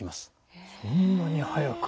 そんなに早く。